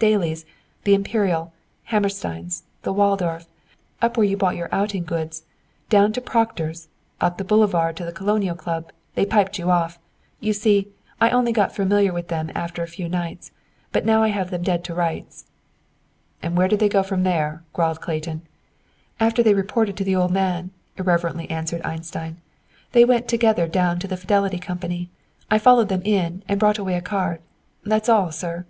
"Daly's, the Imperial, Hammerstein's, the Waldorf, up where you bought your outing goods, down to Proctor's, up the Boulevard to the Colonial Club, they piped you off. You see I only got familiar with them after a few nights. But now I have them dead to rights." "And where did they go from there?" growled Clayton. "After they reported to the old man," irreverently answered Einstein, "they went together down to the Fidelity Company. I followed them in and brought away a card. That's all, sir!"